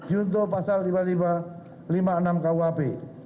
junto pasal lima ribu lima ratus lima puluh enam kuhp